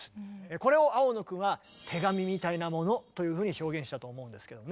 これを青野君は「手紙みたいなもの」というふうに表現したと思うんですけどね。